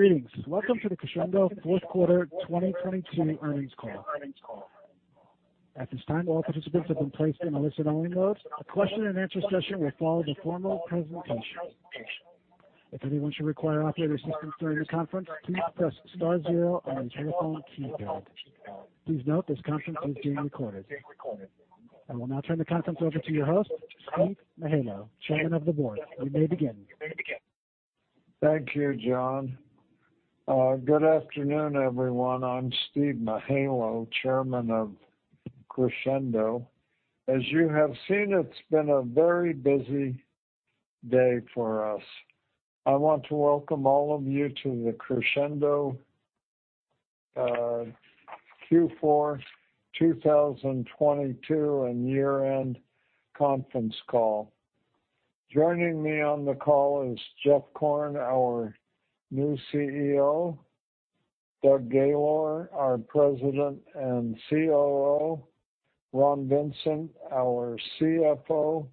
Greetings. Welcome to the Crexendo Fourth Quarter 2022 Earnings Call. At this time, all participants have been placed in a listen-only mode. A Q&A session will follow the formal presentation. If anyone should require operator assistance during the conference, please press star zero on your telephone keypad. Please note this conference is being recorded. I will now turn the conference over to your host, Steve Mihaylo, Chairman of the Board. You may begin. Thank you, John. Good afternoon, everyone. I'm Steve Mihaylo, Chairman of Crexendo. As you have seen, it's been a very busy day for us. I want to welcome all of you to the Crexendo Q4 2022 and year-end conference call. Joining me on the call is Jeff Korn, our new CEO, Doug Gaylor, our President and COO, Ron Vincent, our CFO,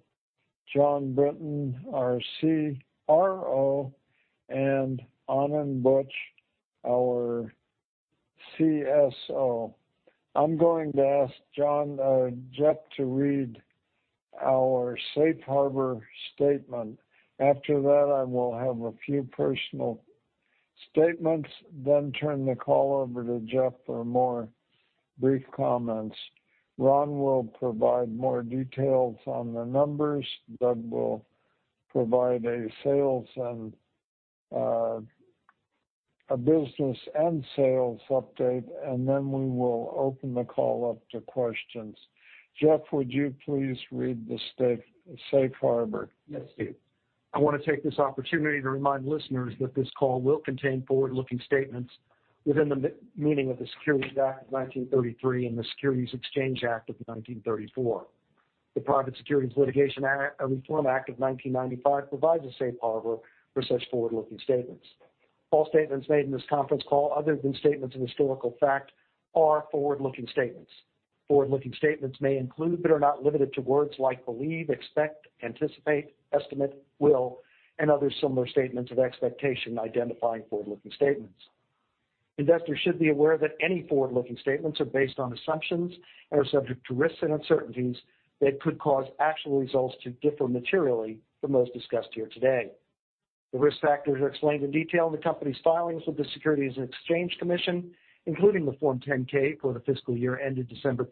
Jon Brinton, our CRO, and Anand Buch, our CSO. I'm going to ask Jeff to read our safe harbor statement. After that, I will have a few personal statements, then turn the call over to Jeff for more brief comments. Ron will provide more details on the numbers. Doug will provide a sales and a business and sales update, and then we will open the call up to questions. Jeff, would you please read the safe harbor? Yes, Steve. I want to take this opportunity to remind listeners that this call will contain forward-looking statements within the meaning of the Securities Act of 1933 and the Securities Exchange Act of 1934. The Private Securities Litigation Act, Reform Act of 1995 provides a safe harbor for such forward-looking statements. All statements made in this conference call, other than statements of historical fact, are forward-looking statements. Forward-looking statements may include, but are not limited to words like believe, expect, anticipate, estimate, will, and other similar statements of expectation identifying forward-looking statements. Investors should be aware that any forward-looking statements are based on assumptions and are subject to risks and uncertainties that could cause actual results to differ materially from those discussed here today. The risk factors are explained in detail in the company's filings with the Securities and Exchange Commission, including the Form 10-K for the fiscal year ended December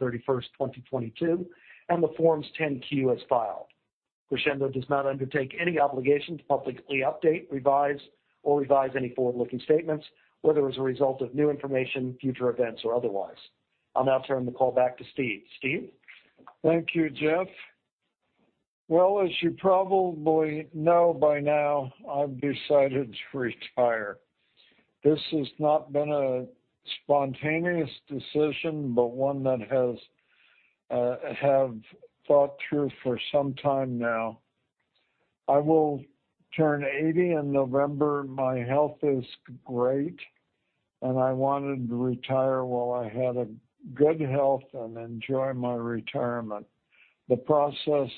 31st, 2022, and the Forms 10-Q as filed. Crexendo does not undertake any obligation to publicly update, revise any forward-looking statements, whether as a result of new information, future events, or otherwise. I'll now turn the call back to Steve. Steve? Thank you, Jeff. As you probably know by now, I've decided to retire. This has not been a spontaneous decision, but one that has have thought through for some time now. I will turn 80 in November. My health is great, I wanted to retire while I had a good health and enjoy my retirement. The process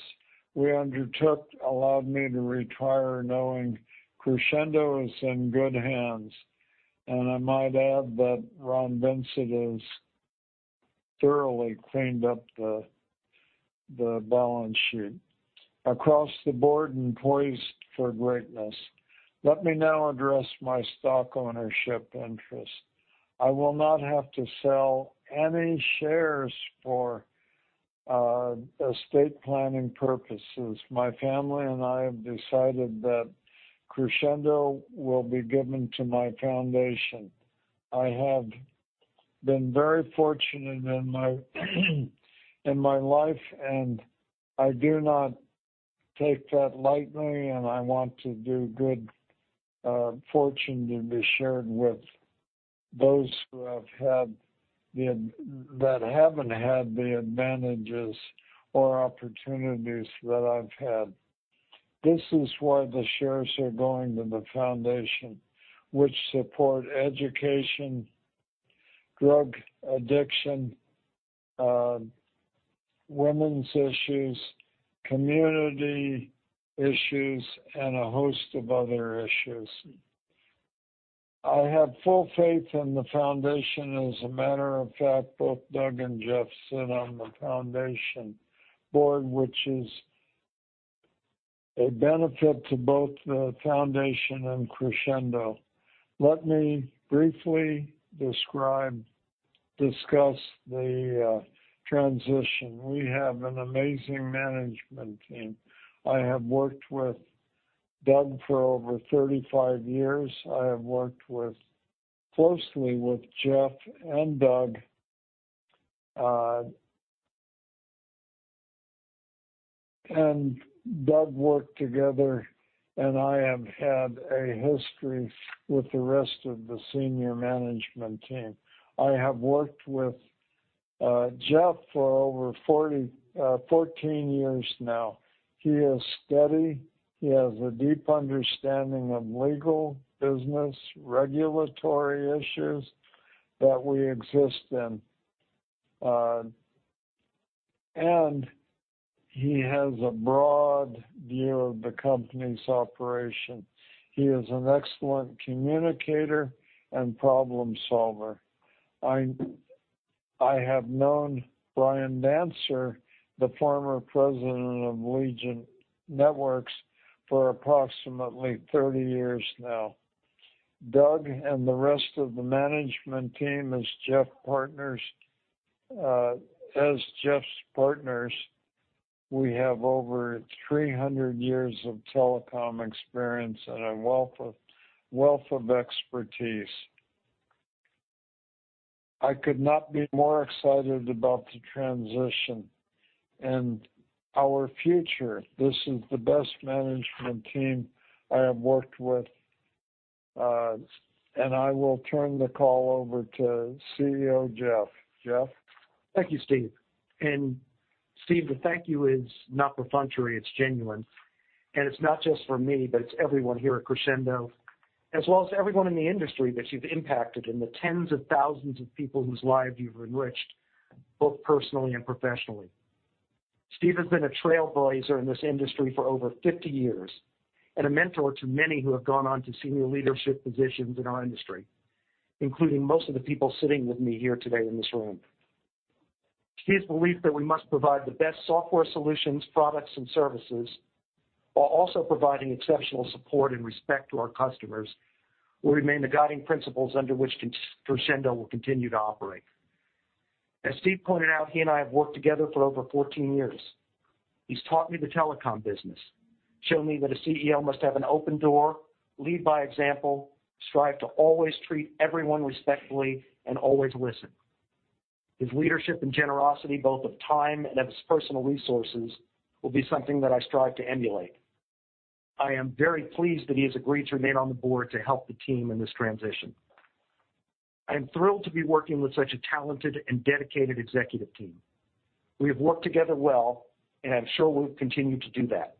we undertook allowed me to retire knowing Crexendo is in good hands, and I might add that Ron Vincent has thoroughly cleaned up the balance sheet across the board and poised for greatness. Let me now address my stock ownership interest. I will not have to sell any shares for estate planning purposes. My family and I have decided that Crexendo will be given to my foundation. I have been very fortunate in my, in my life, and I do not take that lightly, and I want to do good fortune to be shared with those who have had that haven't had the advantages or opportunities that I've had. This is why the shares are going to the foundation, which support education, drug addiction, women's issues, community issues, and a host of other issues. I have full faith in the foundation. As a matter of fact, both Doug and Jeff sit on the foundation board, which is a benefit to both the foundation and Crexendo. Let me briefly describe, discuss the transition. We have an amazing management team. I have worked with Doug for over 35 years. I have worked with, closely with Jeff and Doug, and Doug worked together, and I have had a history with the rest of the senior management team. I have worked with Jeff for over 40, 14 years now. He is steady. He has a deep understanding of legal, business, regulatory issues that we exist in. He has a broad view of the company's operation. He is an excellent communicator and problem solver. I have known Bryan Dancer, the former president of Allegiant Networks, for approximately 30 years now. Doug and the rest of the management team as Jeff's partners, we have over 300 years of telecom experience and a wealth of expertise. I could not be more excited about the transition and our future. This is the best management team I have worked with, and I will turn the call over to CEO, Jeff. Jeff? Thank you, Steve. Steve, the thank you is not perfunctory, it's genuine. It's not just for me, but it's everyone here at Crexendo, as well as everyone in the industry that you've impacted and the tens of thousands of people whose lives you've enriched, both personally and professionally. Steve has been a trailblazer in this industry for over 50 years and a mentor to many who have gone on to senior leadership positions in our industry, including most of the people sitting with me here today in this room. Steve's belief that we must provide the best software solutions, products, and services while also providing exceptional support and respect to our customers will remain the guiding principles under which Crexendo will continue to operate. As Steve pointed out, he and I have worked together for over 14 years. He's taught me the telecom business, shown me that a CEO must have an open door, lead by example, strive to always treat everyone respectfully and always listen. His leadership and generosity, both of time and of his personal resources, will be something that I strive to emulate. I am very pleased that he has agreed to remain on the board to help the team in this transition. I am thrilled to be working with such a talented and dedicated executive team. We have worked together well, and I'm sure we'll continue to do that.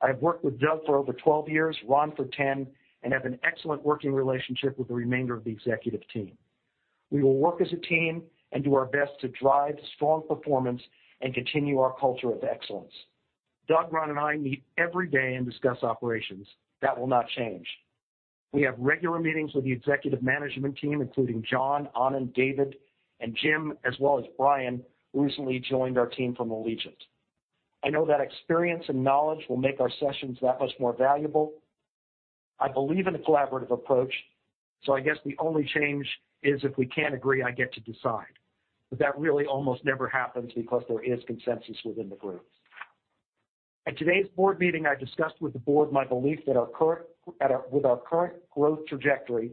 I have worked with Doug for over 12 years, Ron for 10, and have an excellent working relationship with the remainder of the executive team. We will work as a team and do our best to drive strong performance and continue our culture of excellence. Doug, Ron, and I meet every day and discuss operations. That will not change. We have regular meetings with the executive management team, including Jon, Anand, David, and Jim, as well as Brian, who recently joined our team from Allegiant. I know that experience and knowledge will make our sessions that much more valuable. I believe in a collaborative approach, I guess the only change is if we can't agree, I get to decide. That really almost never happens because there is consensus within the group. At today's board meeting, I discussed with the board my belief that with our current growth trajectory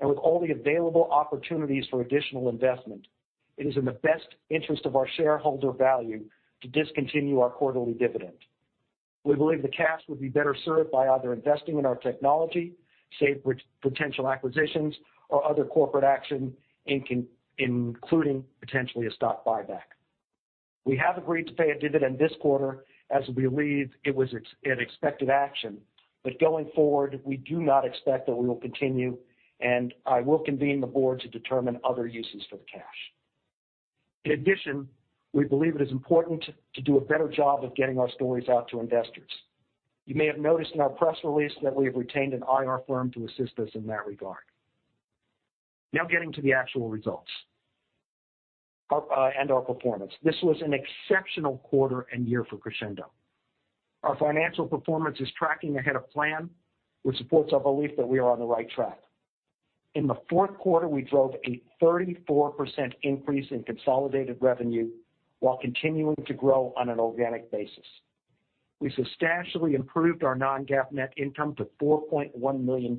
and with all the available opportunities for additional investment, it is in the best interest of our shareholder value to discontinue our quarterly dividend. We believe the cash would be better served by either investing in our technology, say, with potential acquisitions or other corporate action including potentially a stock buyback. We have agreed to pay a dividend this quarter as we believe it was an expected action. Going forward, we do not expect that we will continue, and I will convene the board to determine other uses for the cash. In addition, we believe it is important to do a better job of getting our stories out to investors. You may have noticed in our press release that we have retained an IR firm to assist us in that regard. Getting to the actual results and our performance. This was an exceptional quarter and year for Crexendo. Our financial performance is tracking ahead of plan, which supports our belief that we are on the right track. In the fourth quarter, we drove a 34% increase in consolidated revenue while continuing to grow on an organic basis. We substantially improved our non-GAAP net income to $4.1 million.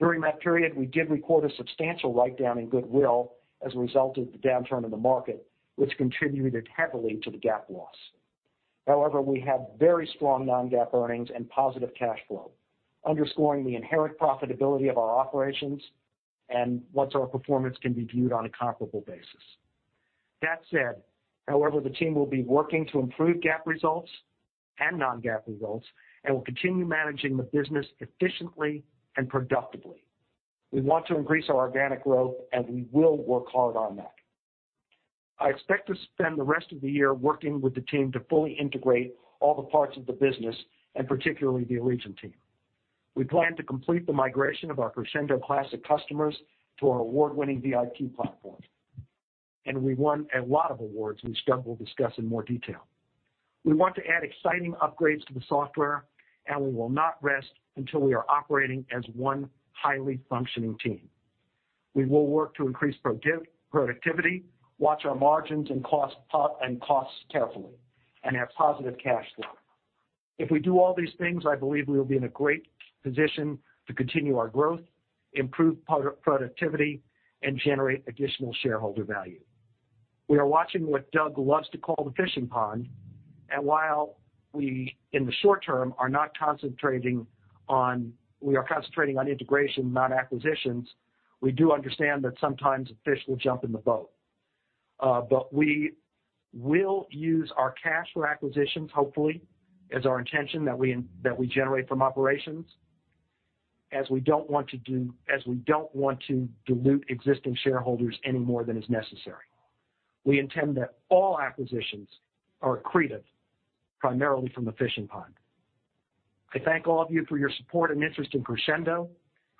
During that period, we did record a substantial write-down in goodwill as a result of the downturn in the market, which contributed heavily to the GAAP loss. We have very strong non-GAAP earnings and positive cash flow, underscoring the inherent profitability of our operations and once our performance can be viewed on a comparable basis. That said, however, the team will be working to improve GAAP results and non-GAAP results, and we'll continue managing the business efficiently and productively. We want to increase our organic growth, and we will work hard on that. I expect to spend the rest of the year working with the team to fully integrate all the parts of the business, and particularly the Allegiant team. We plan to complete the migration of our Crexendo Classic customers to our award-winning VIP Platform. We won a lot of awards, which Doug will discuss in more detail. We want to add exciting upgrades to the software, and we will not rest until we are operating as one highly functioning team. We will work to increase productivity, watch our margins and costs carefully, and have positive cash flow. If we do all these things, I believe we will be in a great position to continue our growth, improve productivity, and generate additional shareholder value. We are watching what Doug loves to call the fishing pond. While we, in the short term, are not concentrating on integration, not acquisitions, we do understand that sometimes a fish will jump in the boat. We will use our cash for acquisitions, hopefully, as our intention that we generate from operations. We don't want to dilute existing shareholders any more than is necessary. We intend that all acquisitions are accretive, primarily from the fishing pond. I thank all of you for your support and interest in Crexendo.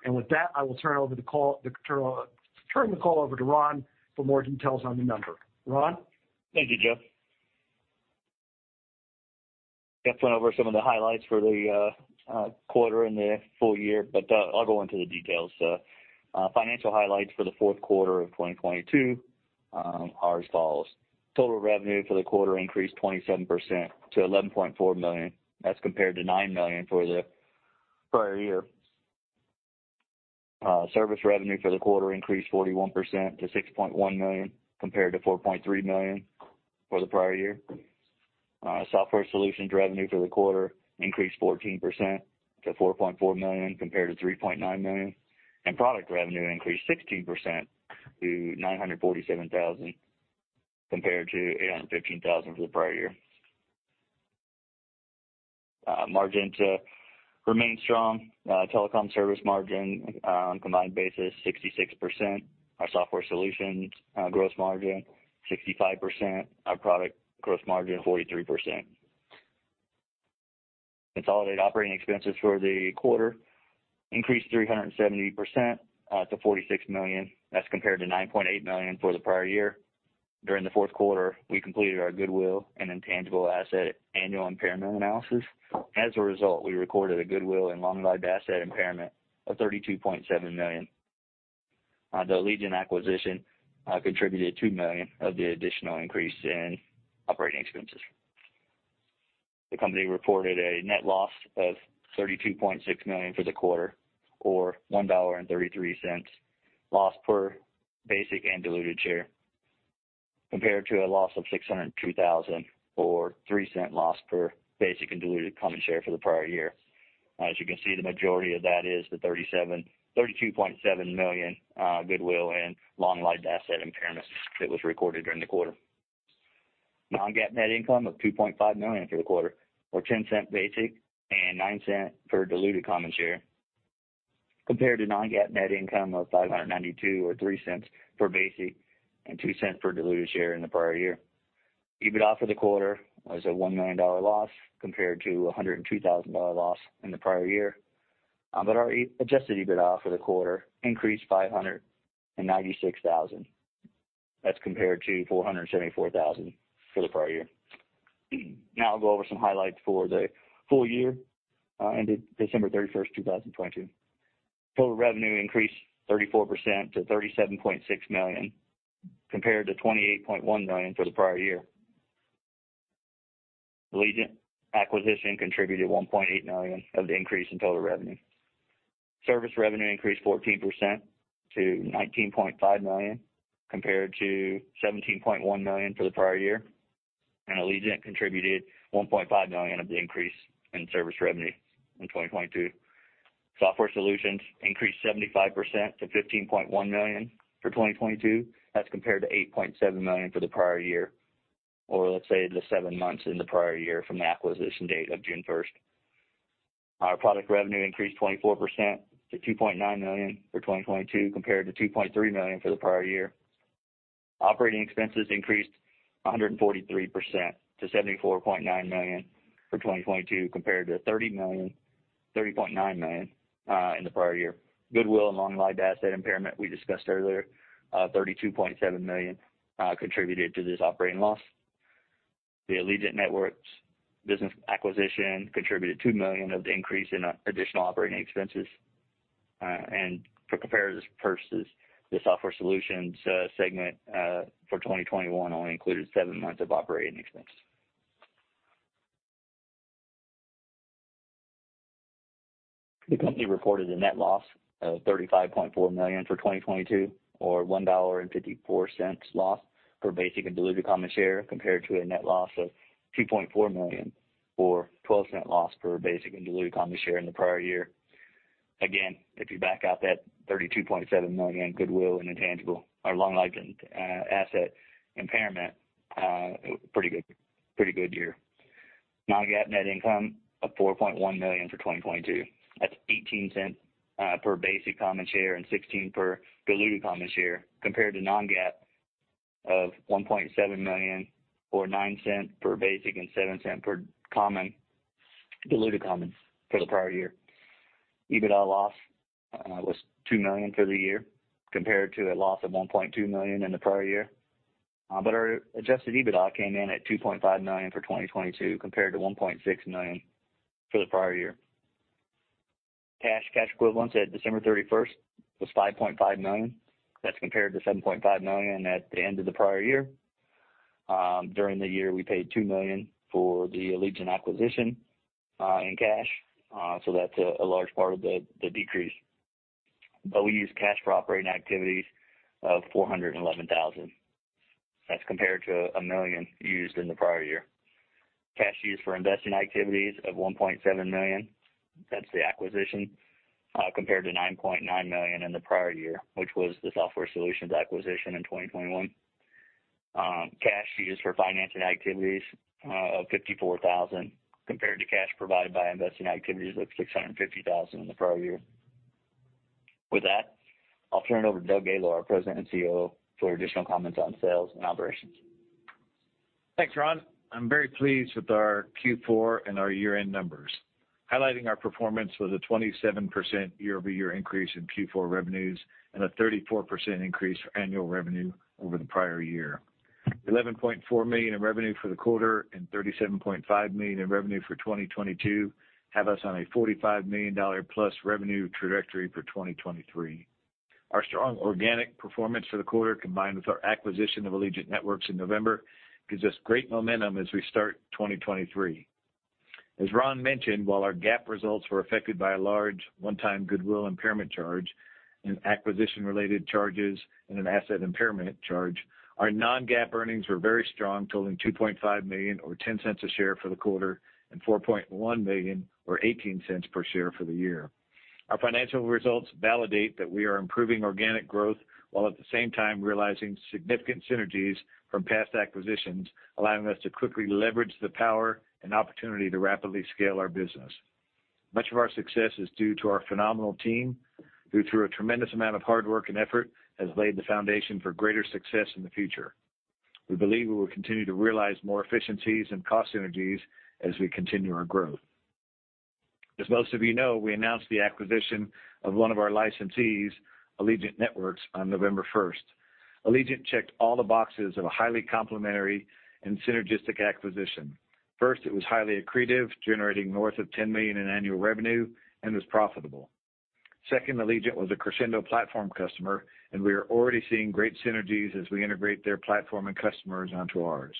With that, I will turn the call over to Ron for more details on the number. Ron? Thank you, Jeff. Jeff went over some of the highlights for the quarter and the full year, I'll go into the details. Financial highlights for the fourth quarter of 2022 are as follows: Total revenue for the quarter increased 27% to $11.4 million. That's compared to $9 million for the prior year. Service revenue for the quarter increased 41% to $6.1 million, compared to $4.3 million for the prior year. Software solutions revenue for the quarter increased 14% to $4.4 million, compared to $3.9 million. Product revenue increased 16% to $947,000, compared to $815,000 for the prior year. Margin remained strong. Telecom service margin on combined basis, 66%. Our software solutions gross margin, 65%. Our product gross margin, 43%. Consolidated operating expenses for the quarter increased 370% to $46 million. That's compared to $9.8 million for the prior year. During the fourth quarter, we completed our goodwill and intangible asset annual impairment analysis. As a result, we recorded a goodwill and long-lived asset impairment of $32.7 million. The Allegiant acquisition contributed $2 million of the additional increase in operating expenses. The company reported a net loss of $32.6 million for the quarter, or $1.33 loss per basic and diluted share, compared to a loss of $602,000 or $0.03 loss per basic and diluted common share for the prior year. As you can see, the majority of that is the $32.7 million goodwill and long-lived asset impairment that was recorded during the quarter. Non-GAAP net income of $2.5 million for the quarter, or $0.10 basic and $0.09 per diluted common share, compared to non-GAAP net income of $592 or $0.03 per basic and $0.02 per diluted share in the prior year. EBITDA for the quarter was a $1 million loss, compared to a $102,000 loss in the prior year. Our adjusted EBITDA for the quarter increased $596,000. That's compared to $474,000 for the prior year. I'll go over some highlights for the full year, ended December 31st, 2022. Total revenue increased 34% to $37.6 million, compared to $28.1 million for the prior year. Allegiant acquisition contributed $1.8 million of the increase in total revenue. Service revenue increased 14% to $19.5 million, compared to $17.1 million for the prior year. Allegiant contributed $1.5 million of the increase in service revenue in 2022. Software solutions increased 75% to $15.1 million for 2022. That's compared to $8.7 million for the prior year, or let's say, the seven months in the prior year from the acquisition date of June 1st. Our product revenue increased 24% to $2.9 million for 2022, compared to $2.3 million for the prior year. Operating expenses increased 143% to $74.9 million for 2022, compared to $30.9 million in the prior year. Goodwill and long-lived asset impairment, we discussed earlier, $32.7 million contributed to this operating loss. The Allegiant Networks business acquisition contributed $2 million of the increase in additional operating expenses. For comparison purposes, the software solutions segment for 2021 only included seven months of operating expense. The company reported a net loss of $35.4 million for 2022, or $1.54 loss per basic and diluted common share, compared to a net loss of $2.4 million or $0.12 loss per basic and diluted common share in the prior year. Again, if you back out that $32.7 million goodwill and intangible or long-lived asset impairment, pretty good, pretty good year. Non-GAAP net income of $4.1 million for 2022. That's $0.18 per basic common share and $0.16 per diluted common share, compared to non-GAAP of $1.7 million or $0.09 per basic and $0.07 per diluted common for the prior year. EBITDA loss was $2 million for the year, compared to a loss of $1.2 million in the prior year. But our adjusted EBITDA came in at $2.5 million for 2022, compared to $1.6 million for the prior year. Cash, cash equivalents at December 31st was $5.5 million. That's compared to $7.5 million at the end of the prior year. During the year, we paid $2 million for the Allegiant acquisition in cash. That's a large part of the decrease. We used cash for operating activities of $411,000. That's compared to a million used in the prior year. Cash used for investing activities of $1.7 million, that's the acquisition, compared to $9.9 million in the prior year, which was the software solutions acquisition in 2021. Cash used for financing activities of $54,000 compared to cash provided by investing activities of $650,000 in the prior year. With that, I'll turn it over to Doug Gaylor, our President and COO, for additional comments on sales and operations. Thanks, Ron. I'm very pleased with our Q4 and our year-end numbers. Highlighting our performance was a 27% year-over-year increase in Q4 revenues and a 34% increase for annual revenue over the prior year. $11.4 million in revenue for the quarter and $37.5 million in revenue for 2022 have us on a $45 million-plus revenue trajectory for 2023. Our strong organic performance for the quarter, combined with our acquisition of Allegiant Networks in November, gives us great momentum as we start 2023. As Ron mentioned, while our GAAP results were affected by a large one-time goodwill impairment charge and acquisition-related charges and an asset impairment charge, our non-GAAP earnings were very strong, totaling $2.5 million or $0.10 a share for the quarter and $4.1 million or $0.18 per share for the year. Our financial results validate that we are improving organic growth, while at the same time realizing significant synergies from past acquisitions, allowing us to quickly leverage the power and opportunity to rapidly scale our business. Much of our success is due to our phenomenal team, who through a tremendous amount of hard work and effort, has laid the foundation for greater success in the future. We believe we will continue to realize more efficiencies and cost synergies as we continue our growth. As most of you know, we announced the acquisition of one of our licensees, Allegiant Networks, on November first. Allegiant checked all the boxes of a highly complementary and synergistic acquisition. First, it was highly accretive, generating north of $10 million in annual revenue and was profitable. Second, Allegiant was a Crexendo platform customer, and we are already seeing great synergies as we integrate their platform and customers onto ours.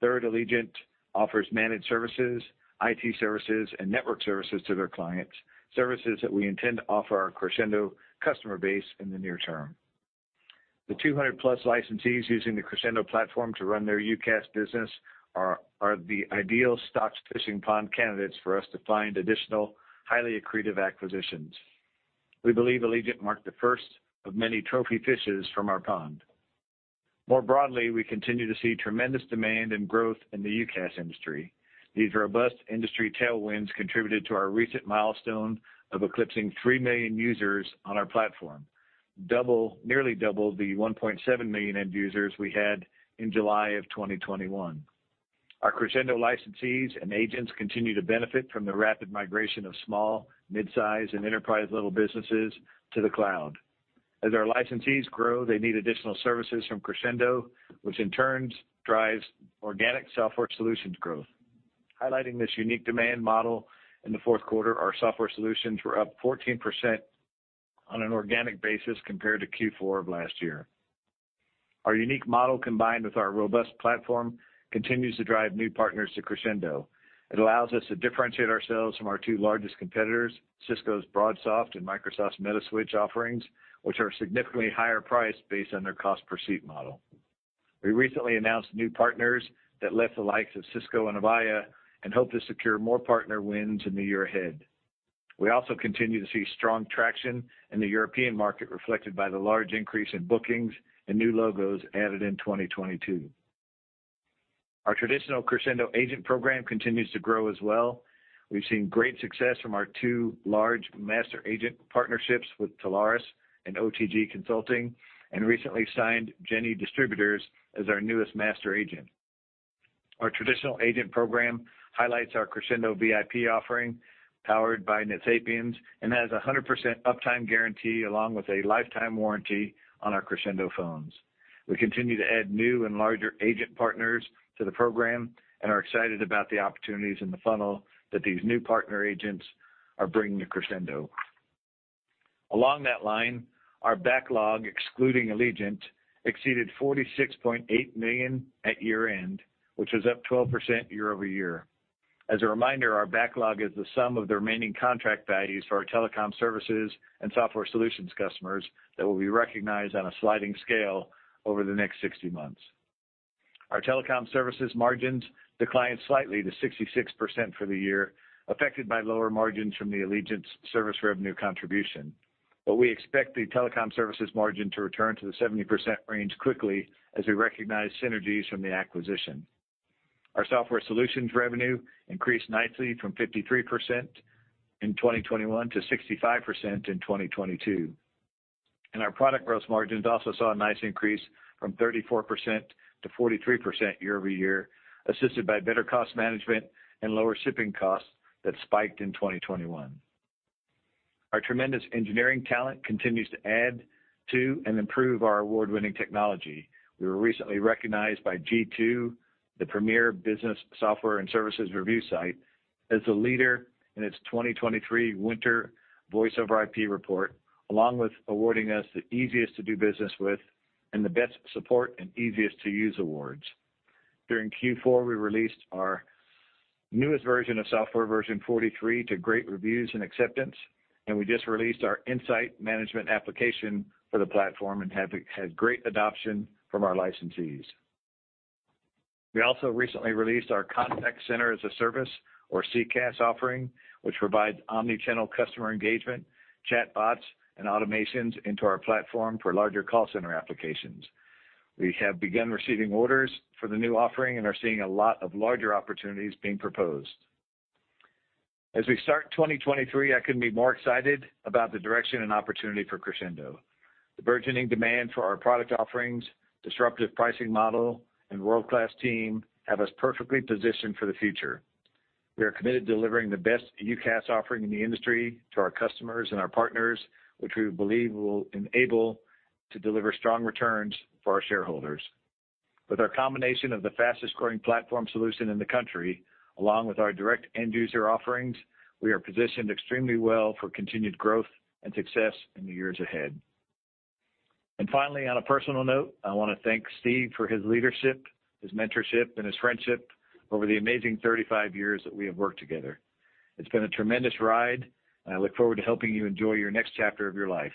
Third, Allegiant offers managed services, IT services, and network services to their clients, services that we intend to offer our Crexendo customer base in the near term. The 200-plus licensees using the Crexendo platform to run their UCaaS business are the ideal stocks fishing pond candidates for us to find additional highly accretive acquisitions. We believe Allegiant marked the first of many trophy fishes from our pond. More broadly, we continue to see tremendous demand and growth in the UCaaS industry. These robust industry tailwinds contributed to our recent milestone of eclipsing 3 million users on our platform, nearly double the 1.7 million end users we had in July of 2021. Our Crexendo licensees and agents continue to benefit from the rapid migration of small, midsize, and enterprise-level businesses to the cloud. As our licensees grow, they need additional services from Crexendo, which in turn drives organic software solutions growth. Highlighting this unique demand model, in the fourth quarter, our software solutions were up 14% on an organic basis compared to Q4 of last year. Our unique model, combined with our robust platform, continues to drive new partners to Crexendo. It allows us to differentiate ourselves from our two largest competitors, Cisco's BroadSoft and Microsoft's Metaswitch offerings, which are significantly higher priced based on their cost-per-seat model. We recently announced new partners that left the likes of Cisco and Avaya and hope to secure more partner wins in the year ahead. We also continue to see strong traction in the European market, reflected by the large increase in bookings and new logos added in 2022. Our traditional Crexendo agent program continues to grow as well. We've seen great success from our two large master agent partnerships with Telarus and OTG Consulting, and recently signed Jenne Distributors as our newest master agent. Our traditional agent program highlights our Crexendo VIP offering, powered by NetSapiens, and has a 100% uptime guarantee along with a lifetime warranty on our Crexendo phones. We continue to add new and larger agent partners to the program and are excited about the opportunities in the funnel that these new partner agents are bringing to Crexendo. Along that line, our backlog, excluding Allegiant, exceeded $46.8 million at year-end, which was up 12% year-over-year. As a reminder, our backlog is the sum of the remaining contract values for our telecom services and software solutions customers that will be recognized on a sliding scale over the next 60 months. Our telecom services margins declined slightly to 66% for the year, affected by lower margins from the Allegiant service revenue contribution. We expect the telecom services margin to return to the 70% range quickly as we recognize synergies from the acquisition. Our software solutions revenue increased nicely from 53% in 2021 to 65% in 2022. Our product growth margins also saw a nice increase from 34% to 43% year-over-year, assisted by better cost management and lower shipping costs that spiked in 2021. Our tremendous engineering talent continues to add to and improve our award-winning technology. We were recently recognized by G2, the premier business software and services review site, as a leader in its 2023 Winter Voice over IP report, along with awarding us the Easiest to Do Business With and the Best Support and Easiest to Use awards. During Q4, we released our newest version of software, Version 43, to great reviews and acceptance, and we just released our Insight Management Application for the platform and had great adoption from our licensees. We also recently released our Contact Center as a Service or CCaaS offering, which provides omni-channel customer engagement, chatbots, and automations into our platform for larger call center applications. We have begun receiving orders for the new offering and are seeing a lot of larger opportunities being proposed. We start 2023, I couldn't be more excited about the direction and opportunity for Crexendo. The burgeoning demand for our product offerings, disruptive pricing model, and world-class team have us perfectly positioned for the future. We are committed to delivering the best UCaaS offering in the industry to our customers and our partners, which we believe will enable to deliver strong returns for our shareholders. With our combination of the fastest-growing platform solution in the country, along with our direct end user offerings, we are positioned extremely well for continued growth and success in the years ahead. Finally, on a personal note, I wanna thank Steve for his leadership, his mentorship, and his friendship over the amazing 35 years that we have worked together. It's been a tremendous ride, and I look forward to helping you enjoy your next chapter of your life.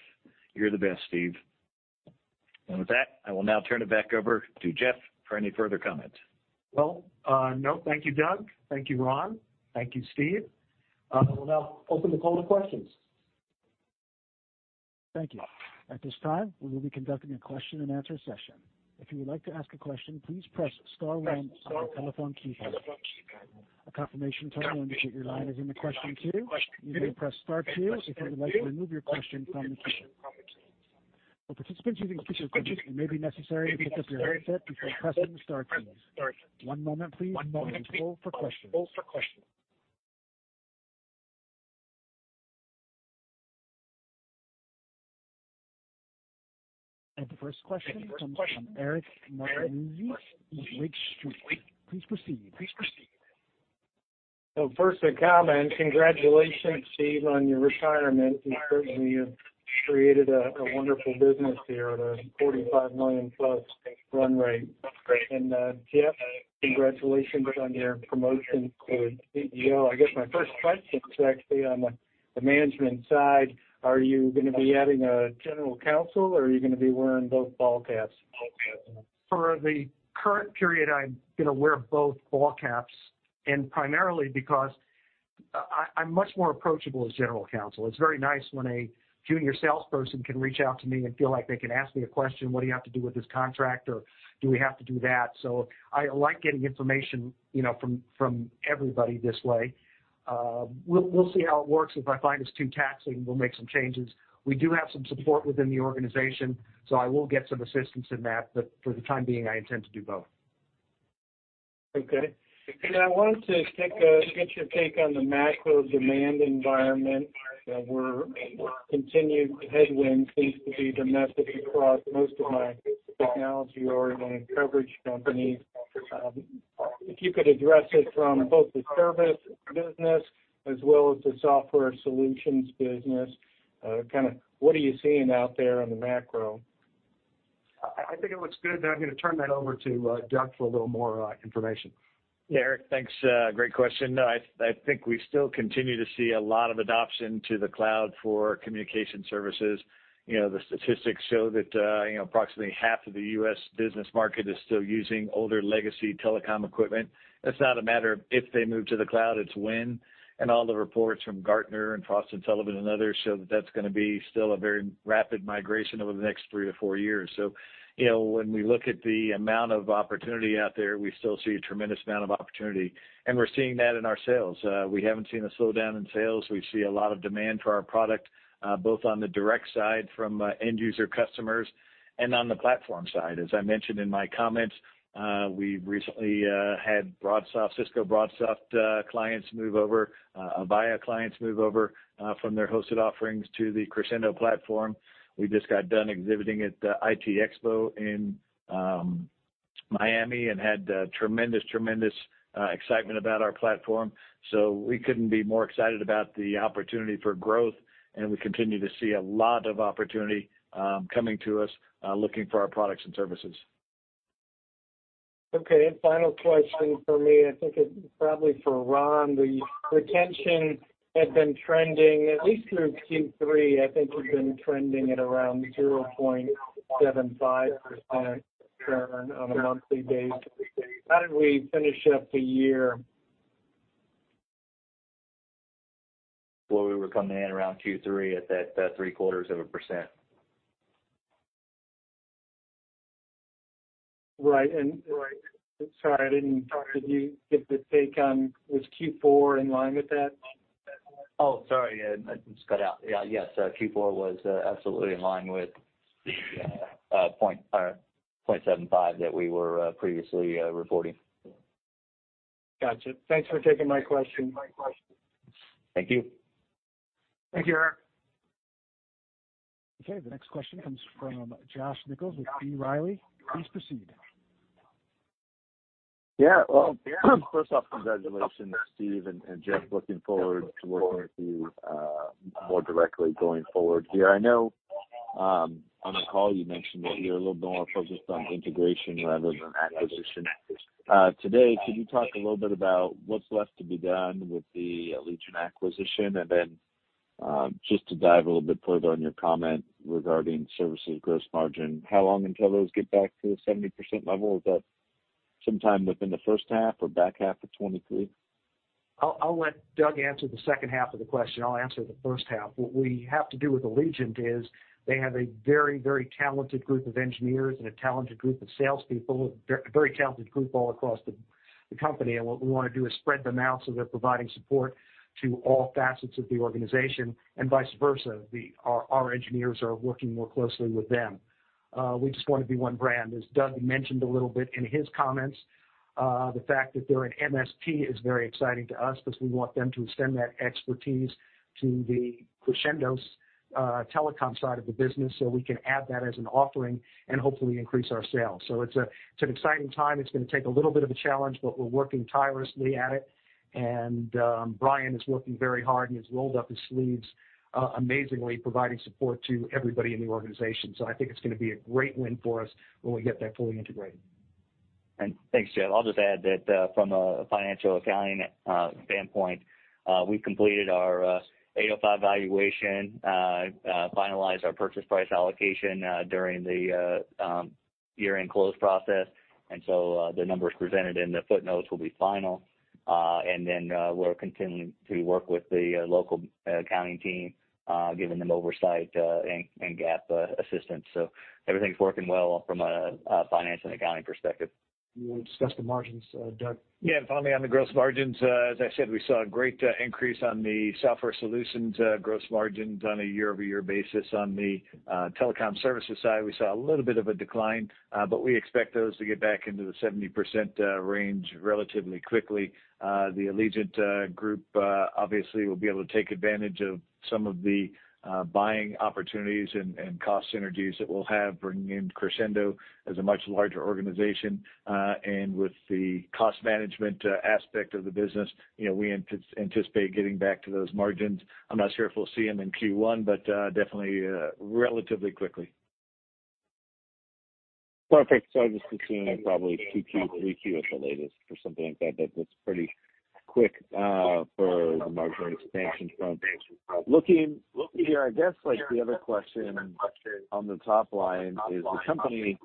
You're the best, Steve. With that, I will now turn it back over to Jeff for any further comment. Well, no, thank you, Doug. Thank you, Ron. Thank you, Steve. We'll now open the call to questions. Thank you. At this time, we will be conducting a Q&A session. If you would like to ask a question, please press star one on your telephone keypad. A confirmation tone will indicate your line is in the question queue. You may press star two if you would like to remove your question from the queue. For participants using speakerphones, it may be necessary to pick up your headset before pressing star two. One moment please. One moment, please, hold for questions. The first question comes from Eric Martinuzzi from Lake Street. Please proceed. First a comment. Congratulations, Steve, on your retirement. You certainly have created a wonderful business here at a $45 million-plus run rate. Jeff, congratulations on your promotion to CEO. I guess my first question is actually on the management side. Are you gonna be adding a general counsel, or are you gonna be wearing both ball caps? For the current period, I'm gonna wear both ball caps. Primarily because I'm much more approachable as general counsel. It's very nice when a junior salesperson can reach out to me and feel like they can ask me a question, "What do you have to do with this contract?" Or, "Do we have to do that?" I like getting information, you know, from everybody this way. We'll see how it works. If I find it's too taxing, we'll make some changes. We do have some support within the organization, so I will get some assistance in that, but for the time being, I intend to do both. Okay. I wanted to get your take on the macro demand environment, where continued headwinds seems to be domestic across most of my technology-oriented coverage companies. If you could address it from both the service business as well as the software solutions business, kinda what are you seeing out there on the macro? I think it looks good. I'm gonna turn that over to Doug for a little more information. Yeah, Eric, thanks. Great question. No, I think we still continue to see a lot of adoption to the cloud for communication services. You know, the statistics show that, you know, approximately half of the U.S. business market is still using older legacy telecom equipment. It's not a matter of if they move to the cloud, it's when. All the reports from Gartner and Frost & Sullivan and others show that that's gonna be still a very rapid migration over the next three to four years. You know, when we look at the amount of opportunity out there, we still see a tremendous amount of opportunity. We're seeing that in our sales. We haven't seen a slowdown in sales. We see a lot of demand for our product, both on the direct side from end user customers and on the platform side. As I mentioned in my comments, we recently had BroadSoft, Cisco BroadSoft, clients move over, Avaya clients move over, from their hosted offerings to the Crexendo platform. We just got done exhibiting at ITEXPO in Miami and had tremendous excitement about our platform. We couldn't be more excited about the opportunity for growth, and we continue to see a lot of opportunity coming to us looking for our products and services. Okay. Final question from me, I think it's probably for Ron. The retention had been trending, at least through Q3, I think had been trending at around 0.75% churn on a monthly basis. How did we finish up the year? We were coming in around Q3 at that three-quarters of a percent. Right. Sorry, I didn't catch. Did you get the take on, was Q4 in line with that? Oh, sorry. Yeah. That just cut out. Yeah. Yes. Q4 was absolutely in line with the $0.75 that we were previously reporting. Gotcha. Thanks for taking my question. Thank you. Thank you, Eric. Okay. The next question comes from Josh Nichols with B. Riley. Please proceed. Yeah. Well, first off, congratulations, Steve and Jeff. Looking forward to working with you more directly going forward here. I know on the call you mentioned that you're a little bit more focused on integration rather than acquisition. Today, could you talk a little bit about what's left to be done with the Allegiant acquisition and then? Just to dive a little bit further on your comment regarding services gross margin, how long until those get back to the 70% level? Is that sometime within the first half or back half of 2023? I'll let Doug answer the second half of the question. I'll answer the first half. What we have to do with Allegiant is they have a very, very talented group of engineers and a talented group of salespeople. Very, very talented group all across the company. What we wanna do is spread them out so they're providing support to all facets of the organization, and vice versa. Our engineers are working more closely with them. We just wanna be one brand. As Doug mentioned a little bit in his comments, the fact that they're an MSP is very exciting to us because we want them to extend that expertise to the Crexendo's telecom side of the business, so we can add that as an offering and hopefully increase our sales. It's an exciting time. It's gonna take a little bit of a challenge, but we're working tirelessly at it. Brian is working very hard, and he's rolled up his sleeves, amazingly providing support to everybody in the organization. I think it's gonna be a great win for us when we get that fully integrated. Thanks, Jeff. I'll just add that, from a financial accounting standpoint, we completed our 805 valuation, finalized our purchase price allocation, during the year-end close process. The numbers presented in the footnotes will be final. Then, we're continuing to work with the local accounting team, giving them oversight, and GAAP assistance. So everything's working well from a finance and accounting perspective. You wanna discuss the margins, Doug? Finally, on the gross margins, as I said, we saw a great increase on the software solutions gross margins on a year-over-year basis. On the telecom services side, we saw a little bit of a decline, but we expect those to get back into the 70% range relatively quickly. The Allegiant group obviously will be able to take advantage of some of the buying opportunities and cost synergies that we'll have bringing in Crexendo as a much larger organization. With the cost management aspect of the business, you know, we anticipate getting back to those margins. I'm not sure if we'll see them in Q1, but definitely relatively quickly. Perfect. I was just assuming probably Q2, Q3 at the latest or something like that, but that's pretty quick for the margin expansion front. Looking here, I guess, like, the other question on the top line is, I mean,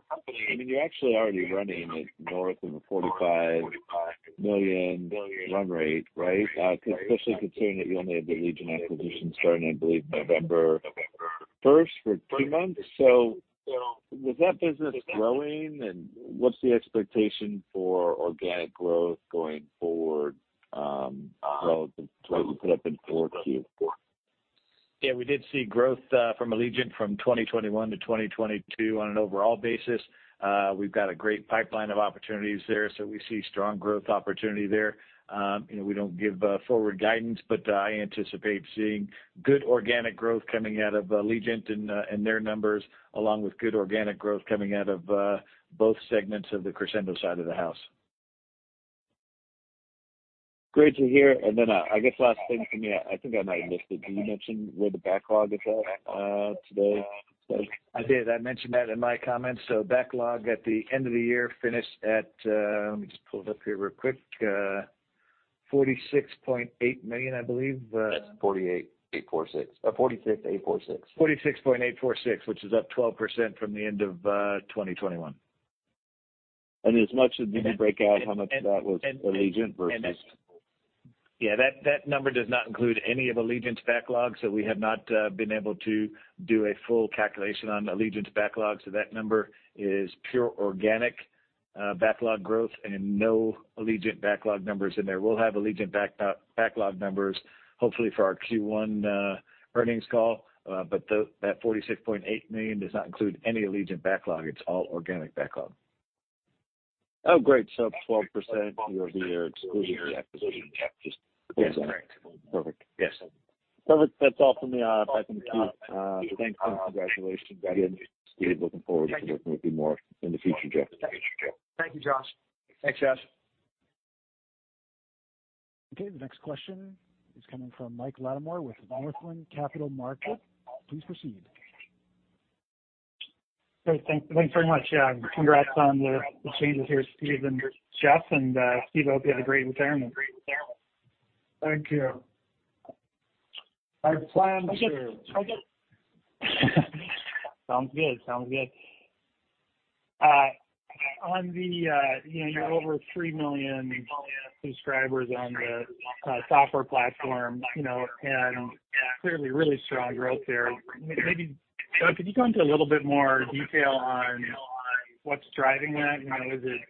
you're actually already running at north of a $45 million run rate, right? Especially considering that you only had the Allegiant acquisition starting, I believe, November 1st for two months. Is that business growing, and what's the expectation for organic growth going forward, relative to what you put up in four Q4? Yeah, we did see growth, from Allegiant from 2021 to 2022 on an overall basis. We've got a great pipeline of opportunities there, so we see strong growth opportunity there. you know, we don't give, forward guidance, but I anticipate seeing good organic growth coming out of Allegiant and their numbers, along with good organic growth coming out of, both segments of the Crexendo side of the house. Great to hear. Then I guess last thing for me, I think I might have missed it. Did you mention where the backlog is at today, Doug? I did. I mentioned that in my comments. Backlog at the end of the year finished at. Let me just pull it up here real quick. $46.8 million, I believe. That's $48.846 million. $46.846 million. $46.846 million, which is up 12% from the end of 2021. As much as you can break out how much of that was Allegiant. Yeah, that number does not include any of Allegiant's backlog. We have not been able to do a full calculation on Allegiant's backlog. That number is pure organic backlog growth and no Allegiant backlog numbers in there. We'll have Allegiant backlog numbers hopefully for our Q1 earnings call. That $46.8 million does not include any Allegiant backlog. It's all organic backlog. Great. 12% year-over-year exclusive to the acquisition gap. Yes. Correct. Perfect. Yes. That's all for me. Back into you. Thanks and congratulations again, Steve. Thank you. Looking forward to working with you more in the future, Jeff. Thank you, Josh. Thanks, Josh. Okay. The next question is coming from Mike Latimore with Northland Capital Markets. Please proceed. Great. Thank you very much. Yeah, congrats on the changes here, Steve and Jeff. Steve, hope you have a great retirement. Thank you. I plan to. Sounds good. Sounds good. you know, you're over 3 million subscribers on the software platform, you know, and clearly really strong growth there. Doug, could you go into a little bit more detail on what's driving that? You know, is it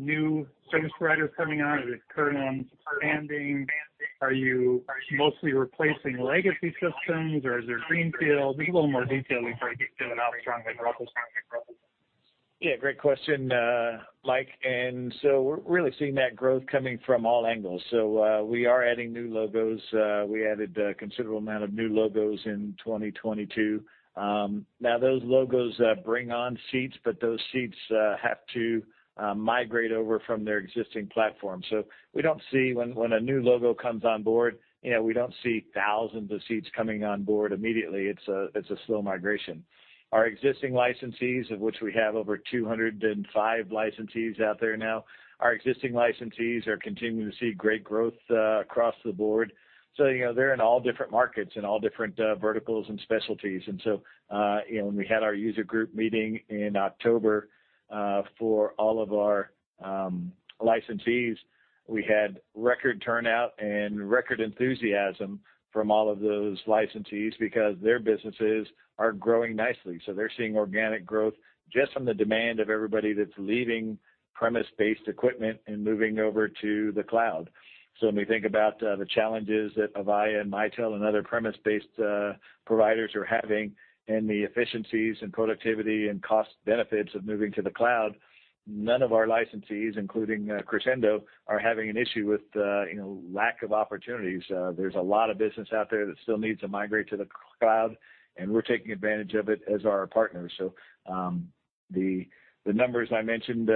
new service providers coming on? Is it current ones expanding? Are you mostly replacing legacy systems or is there greenfield? Just a little more detail before you get to how strong the growth is coming from. Yeah, great question, Mike. We're really seeing that growth coming from all angles. We are adding new logos. We added a considerable amount of new logos in 2022. Now those logos bring on seats, but those seats have to migrate over from their existing platform. When a new logo comes on board, you know, we don't see thousands of seats coming on board immediately. It's a slow migration. Our existing licensees, of which we have over 205 licensees out there now, our existing licensees are continuing to see great growth across the board. You know, they're in all different markets, in all different verticals and specialties. You know, when we had our user group meeting in October, for all of our licensees, we had record turnout and record enthusiasm from all of those licensees because their businesses are growing nicely. They're seeing organic growth just from the demand of everybody that's leaving premise-based equipment and moving over to the cloud. When we think about the challenges that Avaya and Mitel and other premise-based providers are having and the efficiencies and productivity and cost benefits of moving to the cloud, none of our licensees, including Crexendo, are having an issue with, you know, lack of opportunities. There's a lot of business out there that still needs to migrate to the cloud, and we're taking advantage of it as are our partners. The numbers I mentioned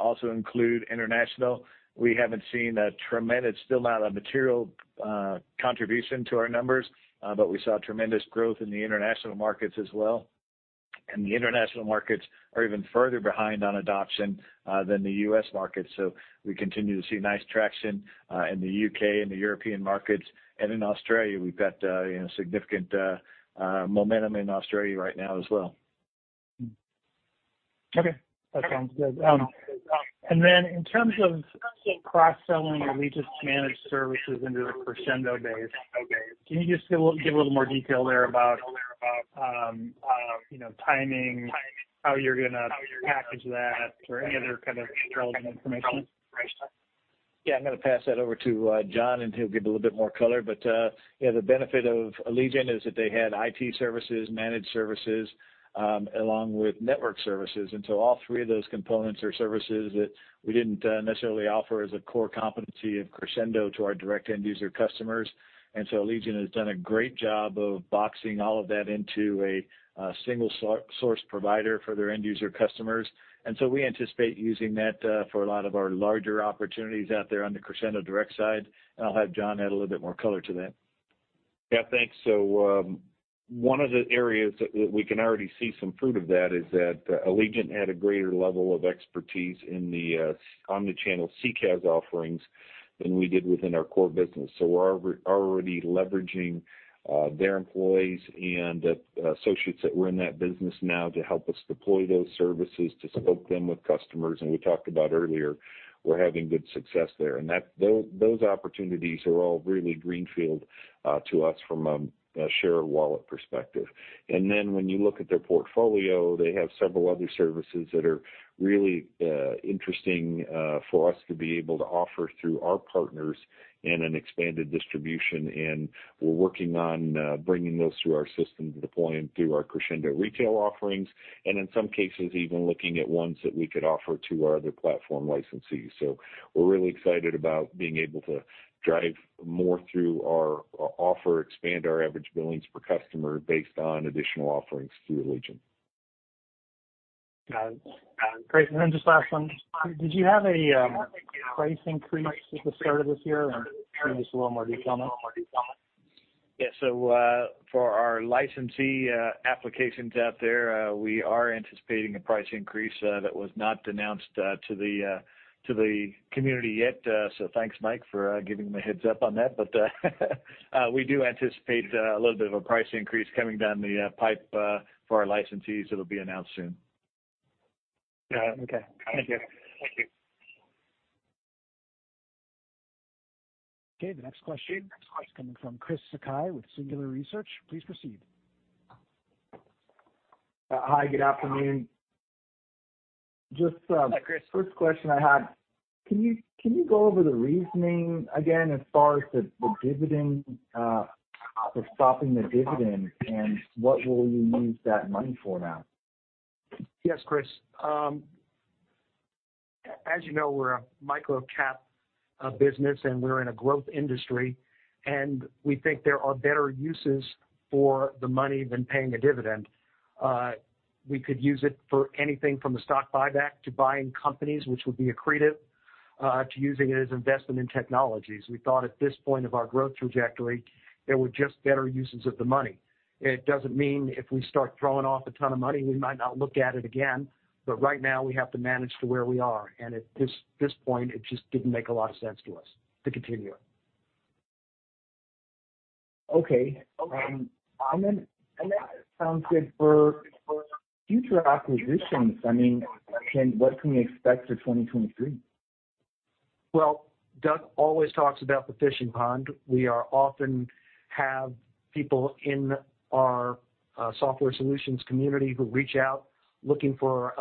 also include international. We haven't seen still not a material contribution to our numbers, but we saw tremendous growth in the international markets as well. The international markets are even further behind on adoption than the U.S. market. We continue to see nice traction in the U.K. and the European markets and in Australia. We've got, you know, significant momentum in Australia right now as well. Okay, that sounds good. Then in terms of cross-selling Allegiant's managed services into the Crexendo base, can you just give a little more detail there about, you know, timing, how you're gonna package that or any other kind of relevant information? Yeah. I'm gonna pass that over to Jon, and he'll give a little bit more color. You know, the benefit of Allegiant is that they had IT services, managed services, along with network services. All three of those components are services that we didn't necessarily offer as a core competency of Crexendo to our direct end user customers. Allegiant has done a great job of boxing all of that into a single so-source provider for their end user customers. We anticipate using that for a lot of our larger opportunities out there on the Crexendo direct side. I'll have Jon add a little bit more color to that. Thanks. One of the areas that we can already see some fruit of that is that Allegiant had a greater level of expertise in the omni-channel CCaaS offerings than we did within our core business. We're already leveraging their employees and the associates that were in that business now to help us deploy those services, to scope them with customers. We talked about earlier, we're having good success there. Those opportunities are all really greenfield to us from a share of wallet perspective. When you look at their portfolio, they have several other services that are really interesting for us to be able to offer through our partners in an expanded distribution. We're working on bringing those through our system to deploy them through our Crexendo retail offerings, and in some cases, even looking at ones that we could offer to our other platform licensees. We're really excited about being able to drive more through our offer, expand our average billings per customer based on additional offerings through Allegiant. Got it. Great. Then just last one. Did you have a price increase at the start of this year? Can you give us a little more detail on it? Yeah. For our licensee applications out there, we are anticipating a price increase that was not announced to the community yet. Thanks, Mike, for giving me a heads up on that. We do anticipate a little bit of a price increase coming down the pipe for our licensees that'll be announced soon. Got it. Okay. Thank you. Okay, the next question is coming from Chris Sakai with Singular Research. Please proceed. Hi, good afternoon. Hi, Chris. Question I had, can you go over the reasoning again as far as the dividend, or stopping the dividend, and what will you use that money for now? Yes, Chris. As you know, we're a microcap business, and we're in a growth industry, and we think there are better uses for the money than paying a dividend. We could use it for anything from a stock buyback to buying companies, which would be accretive, to using it as investment in technologies. We thought at this point of our growth trajectory, there were just better uses of the money. It doesn't mean if we start throwing off a ton of money, we might not look at it again. Right now we have to manage to where we are. At this point, it just didn't make a lot of sense to us to continue it. Okay. That sounds good. For future acquisitions, I mean, what can we expect for 2023? Well, Doug always talks about the fishing pond. We are often have people in our software solutions community who reach out looking for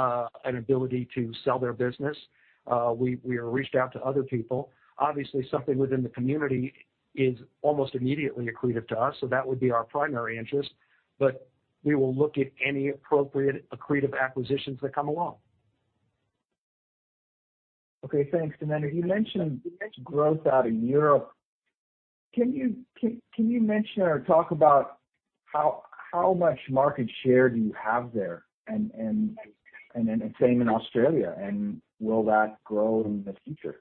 an ability to sell their business. We have reached out to other people. Obviously, something within the community is almost immediately accretive to us, so that would be our primary interest. We will look at any appropriate accretive acquisitions that come along. Okay, thanks. You mentioned growth out of Europe. Can you mention or talk about how much market share do you have there and then same in Australia, and will that grow in the future?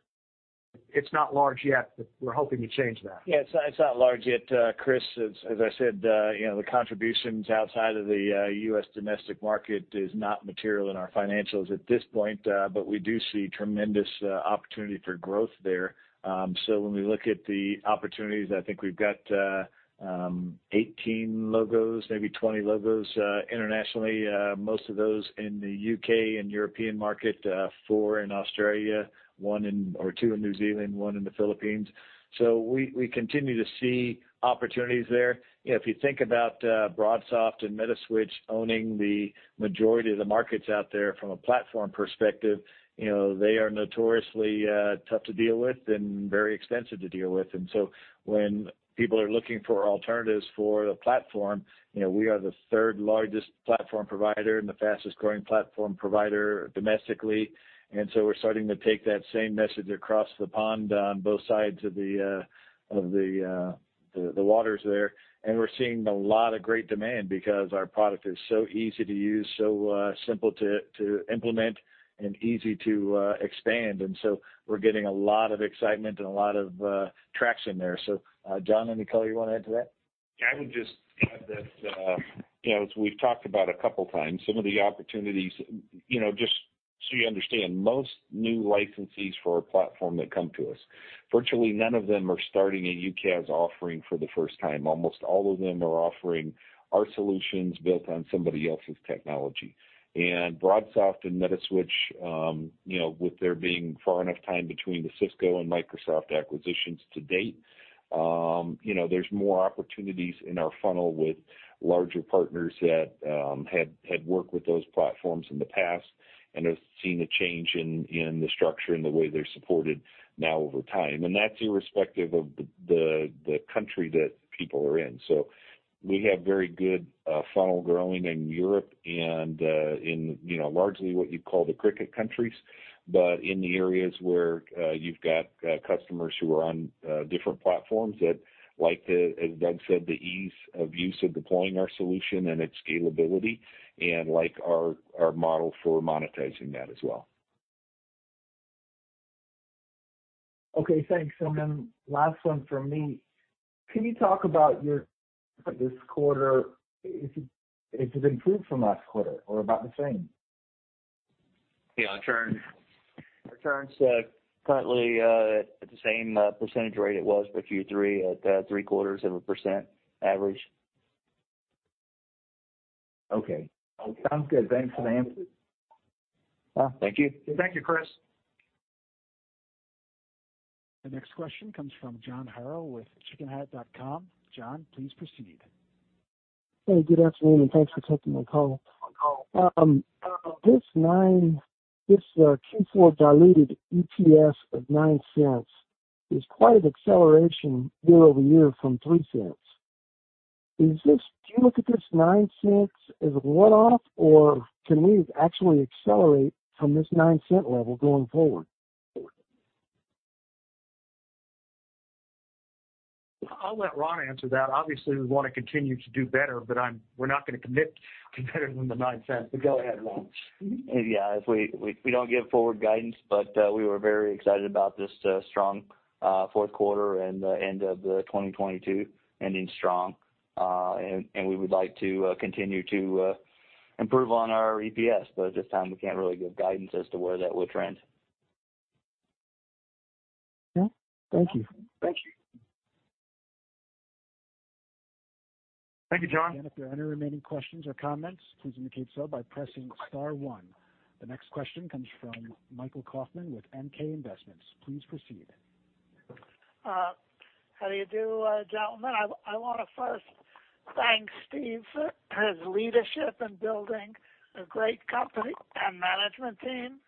It's not large yet, but we're hoping to change that. Yeah. It's not, it's not large yet, Chris. As I said, you know, the contributions outside of the U.S. domestic market is not material in our financials at this point, but we do see tremendous opportunity for growth there. When we look at the opportunities, I think we've got 18 logos, maybe 20 logos, internationally, most of those in the U.K. and European market, four in Australia, one or two in New Zealand, one in the Philippines. We continue to see opportunities there. You know, if you think about BroadSoft and Metaswitch owning the majority of the markets out there from a platform perspective, you know, they are notoriously tough to deal with and very expensive to deal with. When people are looking for alternatives for the platform, you know, we are the third-largest platform provider and the fastest-growing platform provider domestically. We're starting to take that same message across the pond on both sides of the waters there. We're seeing a lot of great demand because our product is so easy to use, so simple to implement and easy to expand. We're getting a lot of excitement and a lot of traction there. Jon, anything you wanna add to that? I would just add that, you know, as we've talked about a couple of times, some of the opportunities. You know, just so you understand, most new licensees for our platform that come to us, virtually none of them are starting a UCaaS offering for the first time. Almost all of them are offering our solutions built on somebody else's technology. BroadSoft and Metaswitch, you know, with there being far enough time between the Cisco and Microsoft acquisitions to date, you know, there's more opportunities in our funnel with larger partners that had worked with those platforms in the past and have seen a change in the structure and the way they're supported now over time. That's irrespective of the country that people are in. We have very good funnel growing in Europe and, in, you know, largely what you'd call the cricket countries. In the areas where, you've got customers who are on different platforms that like the, as Doug said, the ease of use of deploying our solution and its scalability and like our model for monetizing that as well. Okay, thanks. Then last one from me. Can you talk about this quarter, if it improved from last quarter or about the same? Our churn's currently at the same percentage rate it was for Q3 at three-quarters of a ron average. Okay. Sounds good. Thanks for the answer. Thank you. Thank you, Chris. The next question comes from John Harrell with chickenhat.com. John, please proceed. Good afternoon, and thanks for taking my call. This Q4 diluted EPS of $0.09 is quite an acceleration year-over-year from $0.03. Do you look at this $0.09 as a one-off, or can we actually accelerate from this $0.09 level going forward? I'll let Ron answer that. Obviously, we wanna continue to do better, but we're not gonna commit into $0.09, but go ahead, Ron. Yeah. We don't give forward guidance, but we were very excited about this strong fourth quarter and the end of 2022 ending strong. We would like to continue to improve on our EPS, but at this time, we can't really give guidance as to where that will trend. Okay. Thank you. Thank you. Thank you, John. If there are any remaining questions or comments, please indicate so by pressing star one. The next question comes from Michael Kaufman with MK Investments. Please proceed. How do you do, gentlemen? I wanna first thank Steve for his leadership in building a great company and management team,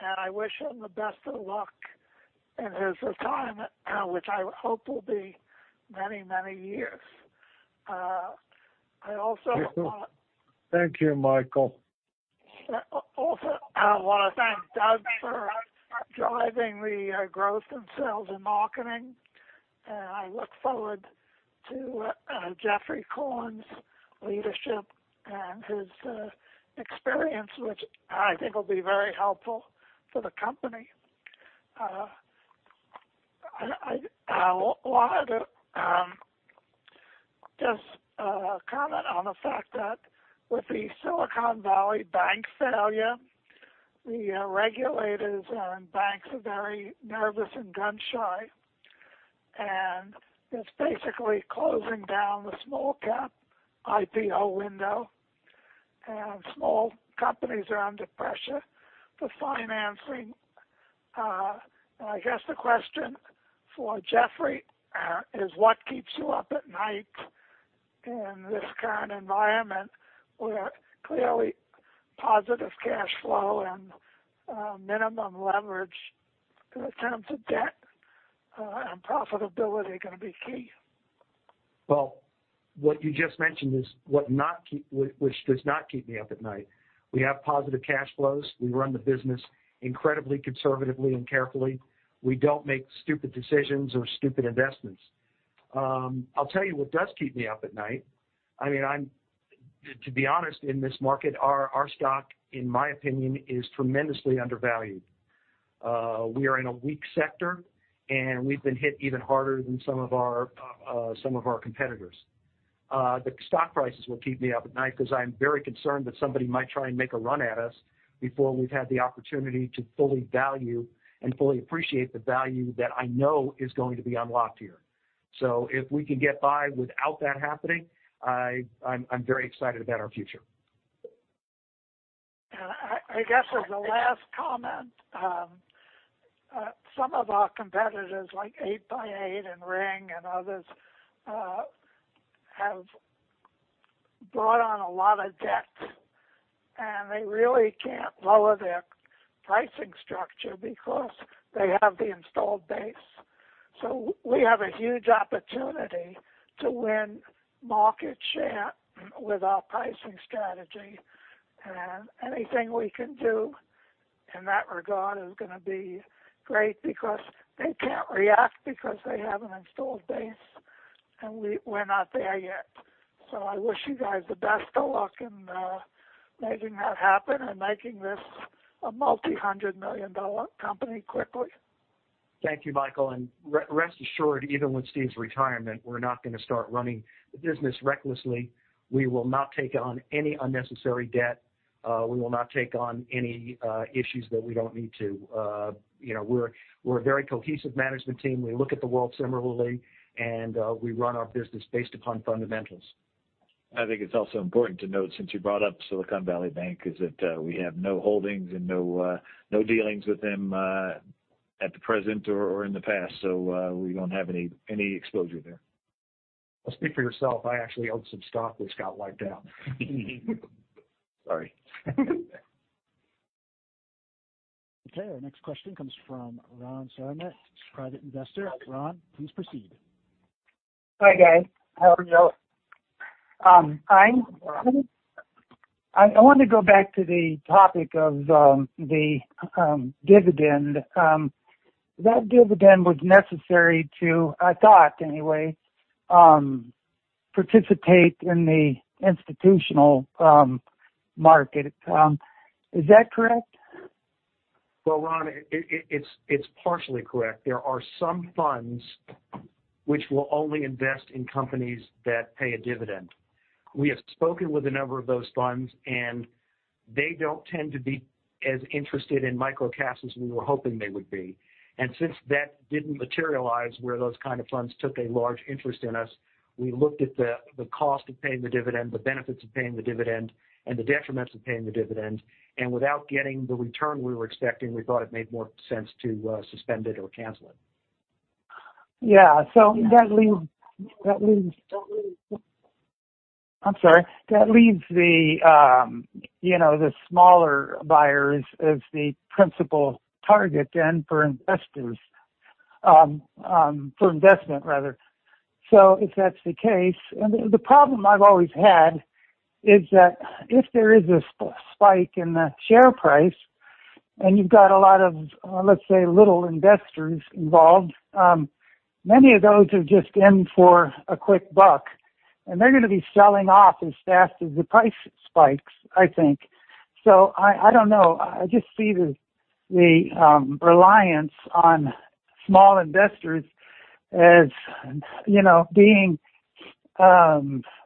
and I wish him the best of luck in his retirement, which I hope will be many, many years. I also want. Thank you, Michael. I also wanna thank Doug for driving the growth in sales and marketing. I look forward to Jeffrey Korn's leadership and his experience, which I think will be very helpful for the company. I wanted to comment on the fact that with the Silicon Valley Bank failure, the regulators and banks are very nervous and gun-shy, and it's basically closing down the small-cap IPO window, and small companies are under pressure for financing. I guess the question for Jeffrey is what keeps you up at night in this current environment where clearly positive cash flow and minimum leverage in terms of debt and profitability are gonna be key? What you just mentioned is what does not keep me up at night. We have positive cash flows. We run the business incredibly conservatively and carefully. We don't make stupid decisions or stupid investments. I'll tell you what does keep me up at night. I mean, to be honest, in this market, our stock, in my opinion, is tremendously undervalued. We are in a weak sector, and we've been hit even harder than some of our competitors. The stock prices will keep me up at night because I'm very concerned that somebody might try and make a run at us before we've had the opportunity to fully value and fully appreciate the value that I know is going to be unlocked here. If we can get by without that happening, I'm very excited about our future. I guess as a last comment, some of our competitors, like 8x8 and Ring and others, have brought on a lot of debt, and they really can't lower their pricing structure because they have the installed base. We have a huge opportunity to win market share with our pricing strategy. Anything we can do in that regard is gonna be great because they can't react because they have an installed base, and we're not there yet. I wish you guys the best of luck in making that happen and making this a multi-hundred million dollar company quickly. Thank you, Michael. rest assured, even with Steve's retirement, we're not gonna start running the business recklessly. We will not take on any unnecessary debt. We will not take on any issues that we don't need to. you know, we're a very cohesive management team. We look at the world similarly, and we run our business based upon fundamentals. I think it's also important to note, since you brought up Silicon Valley Bank, is that, we have no holdings and no dealings with them, at the present or in the past. we don't have any exposure there. Speak for yourself. I actually owned some stock that's got wiped out. Sorry. Our next question comes from Ron Sharma, he's a Private Investor. Ron, please proceed. Hi, guys. How are you? Hi. I wanted to go back to the topic of the dividend. That dividend was necessary to, I thought anyway, participate in the institutional market. Is that correct? Well, Ron, it's partially correct. There are some funds which will only invest in companies that pay a dividend. They don't tend to be as interested in Crexendo as we were hoping they would be. Since that didn't materialize where those kind of funds took a large interest in us, we looked at the cost of paying the dividend, the benefits of paying the dividend, and the detriments of paying the dividend. Without getting the return we were expecting, we thought it made more sense to suspend it or cancel it. Yeah. That leaves. I'm sorry. That leaves the, you know, the smaller buyers as the principal target then for investors, for investment rather. If that's the case and the problem I've always had is that if there is a spike in the share price and you've got a lot of, let's say, little investors involved, many of those are just in for a quick buck, and they're gonna be selling off as fast as the price spikes, I think. I don't know. I just see the reliance on small investors as, you know, being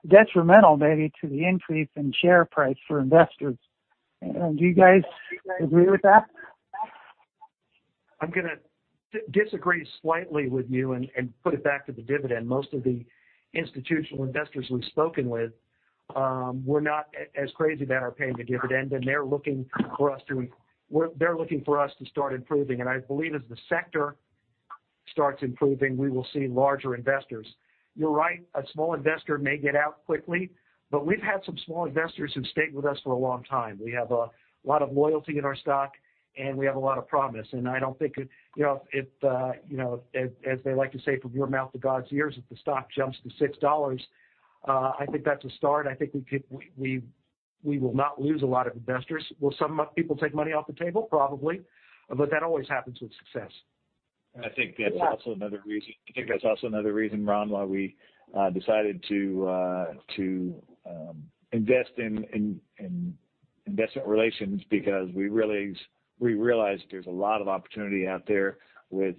detrimental maybe to the increase in share price for investors. Do you guys agree with that? I'm gonna disagree slightly with you and put it back to the dividend. Most of the institutional investors we've spoken with were not as crazy about our paying the dividend, and they're looking for us to. They're looking for us to start improving. I believe as the sector starts improving, we will see larger investors. You're right, a small investor may get out quickly, but we've had some small investors who've stayed with us for a long time. We have a lot of loyalty in our stock, and we have a lot of promise. I don't think it. You know, if, you know, as they like to say, from your mouth to God's ears, if the stock jumps to $6, I think that's a start. I think we will not lose a lot of investors. Will some people take money off the table? Probably. That always happens with success. I think that's also another reason. I think that's also another reason, Ron, why we decided to invest in investment relations because we really realized there's a lot of opportunity out there with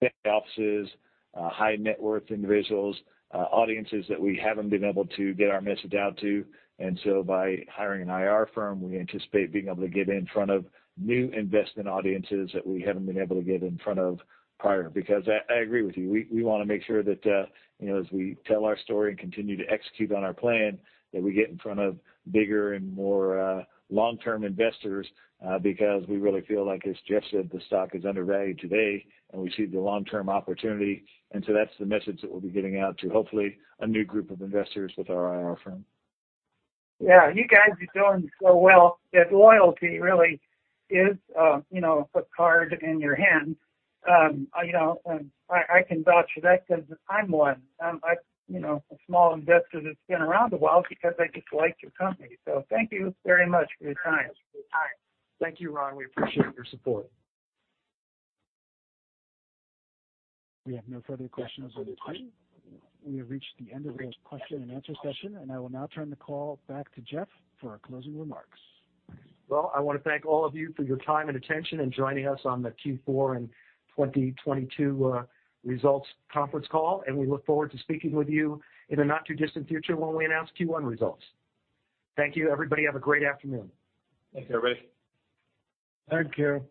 big offices, high net worth individuals, audiences that we haven't been able to get our message out to. By hiring an IR firm, we anticipate being able to get in front of new investment audiences that we haven't been able to get in front of prior. I agree with you, we wanna make sure that, you know, as we tell our story and continue to execute on our plan, that we get in front of bigger and more long-term investors, because we really feel like, as Jeff said, the stock is undervalued today, and we see the long-term opportunity. That's the message that we'll be getting out to, hopefully, a new group of investors with our IR firm. Yeah. You guys are doing so well that loyalty really is, you know, a card in your hand. You know, and I can vouch for that 'cause I'm one. You know, a small investor that's been around a while because I just like your company. Thank you very much for your time. Thank you, Ron. We appreciate your support. We have no further questions on the queue. We have reached the end of this question and answer session. I will now turn the call back to Jeff for our closing remarks. Well, I wanna thank all of you for your time and attention in joining us on the Q4 and 2022 results conference call. We look forward to speaking with you in the not-too-distant future when we announce Q1 results. Thank you, everybody. Have a great afternoon. Thanks, everybody. Thank you.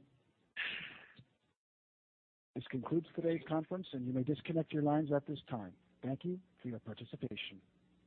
This concludes today's conference, and you may disconnect your lines at this time. Thank you for your participation.